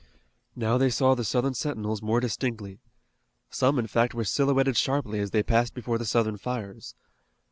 Now they saw the Southern sentinels more distinctly. Some, in fact, were silhouetted sharply as they passed before the Southern fires.